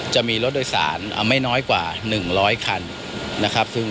จะมีรถโดยสารไม่น้อยกว่า๑๐๐คันนะครับ